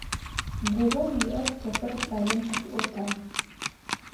Гугъоу иӀэр Сэфэр кӀалэм къыфиӀотагъ.